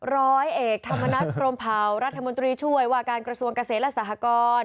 ร้อยเอกธรรมนัฐพรมเผารัฐมนตรีช่วยว่าการกระทรวงเกษตรและสหกร